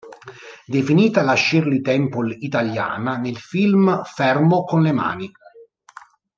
Definita "la Shirley Temple italiana", nel film "Fermo con le mani!